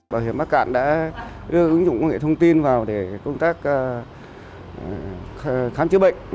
bảo hiểm bắc cạn đã đưa ứng dụng công nghệ thông tin vào để công tác khám chữa bệnh